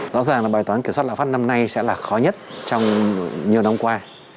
rõ ràng là bài toán kiểm soát lạm phát năm nay sẽ là khó nhất trong nhiều năm qua